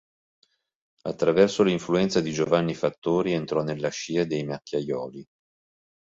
Attraverso l'influenza di Giovanni Fattori entrò nella scia dei Macchiaioli.